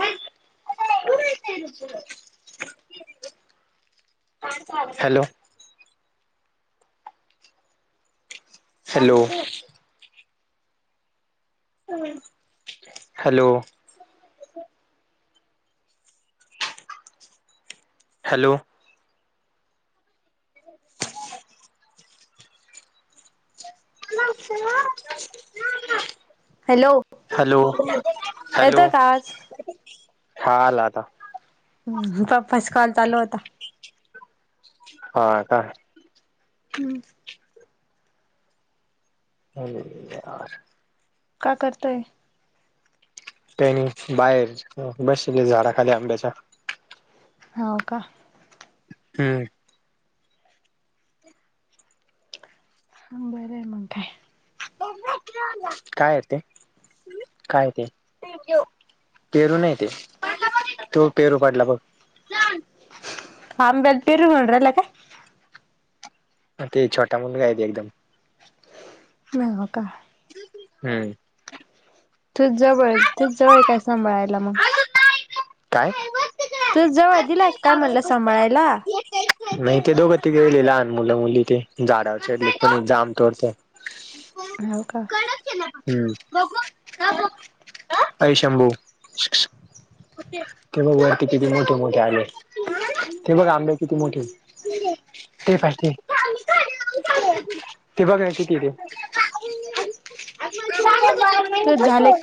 [inaudible] Hello.... hello.... hello.... hello.... [inaudible] [inaudible] hello hello, hello येतोय का आवाज? हा आला आता- हं पप्पाच कॉल चालू होता. हा का. हम्म... अरे यार... का करताय? काय नाही बाहेर बसलोय झाडा खाली आंब्याच्या- हाव का- हम्म.... बर आहे मग काय. काय आहे ते? काय आहे ते? पेरू नाही ते. तो पेरू पडला बघ. आंब्याला पेरू म्हणून राहिला का? हा ते छोटा मुलगा आहे ते एकदम- हम्म... आता हम्म... तूझ जवळ, तूझ जवळ आहे काय सांभाळायला मग. काय. तूझ्या जवळ दिलाय काय म्हणलं सांभाळायला. नाही ते दोघं तिघे गेले लहान मुलं मुली, ते झाडावर चढले, जाम तोडते. हाव का. हम्म, बघू. ये शंभु, ते बघ वरती किती मोठे-मोठे आहेत. ते बघ आंबे किती मोठेयत, ते पाय ते. ते बघ ना किती ते. [unintelligible]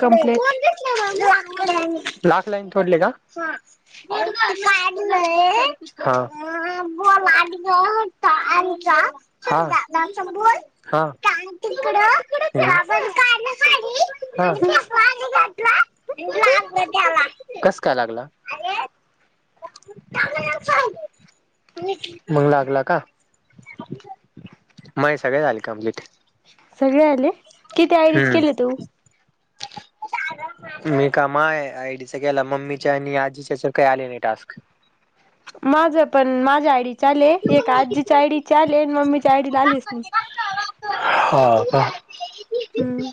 कंप्लीट. [unintelligible] [unintelligible] [unintelligible] [unintelligible] कसं काय लागला. मंग लागला का. मय सगळे झाले कंप्लीट. सगळे आले, किती आयडीज हम्म. केले तू. मी कामा आहे, आयडीच के याला मम्मीच्या आणि आजीच्या ह्यच्यावर काही आले नाही टास्क. माझं पण माझ्या आयडी चा आलेय एक आजीच्या आईडीचे आले, आणि मम्मीच्या आईडीला आलेच नाही. हो का. हम्म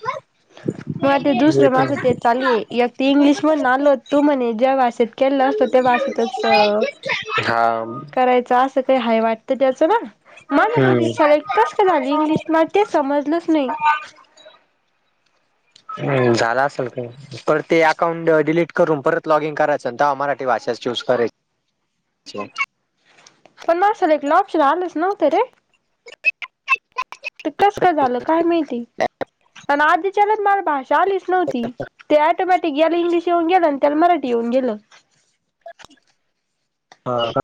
मग आ ते दुसरं ते येतो माझं ना. ते चालूय, एक ते इंग्लिश म्हणून आलो तो म्हणे, ज्या भाषेत केलं असतो त्या भाषेतच. हां. करायच असं काही हाय वाटतं त्याचं ना, माझ कोणती हम्म. शाळेला कस का झाली इंग्लिश. मग ते समजलंच नाही. हम्म झाला असेल का. पर ते अकाउंट डिलीट करून परत लॉगिन करायचं ना, तेव्हा मराठी भाषाच चूज करायची. अच्छा. पण मला असंल ऑप्शन आलंच नव्हते. ते कस का झालं काय माहिती. आणि आधीच्याला मला भाषा आलीच नव्हती, ते अटोमॅटिक गेला इंग्लिश येऊन गेला. त्याला मराठी येऊन गेली. हा का.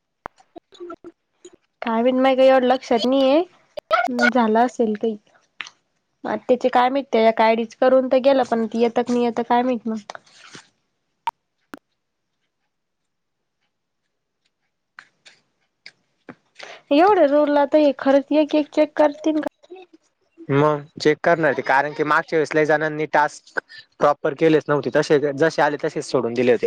काय बई माझ्या का एवढ लक्षात नाहीय, झालं असेल काही. मग त्याचे काय माहिते, आयडीच करून तर गेला येत क नाही येत काय माहीत ना. एवढं रूल लावता ये, हे खरंच एक एक चेक करतील का. मग चेक करणार की, कारण की मागच्या वेळेस लईजणांनी टास्क प्रॉपर केलेच नव्हते, जसे आले जसे आले तसेच सोडून दिले होते.